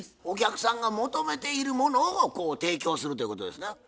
お客さんが求めているものをこう提供するということですな。